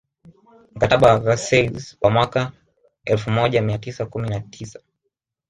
Mkataba wa Versailles wa mwaka mwaka elfumoja mia tisa kumi na tisa